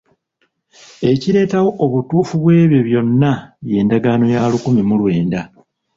Ekireetawo obutuufu bw'ebyo byonna y'endagaano ya lukumi lwenda.